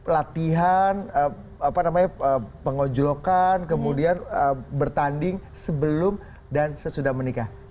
latihan pengonjolokan kemudian bertanding sebelum dan sesudah menikah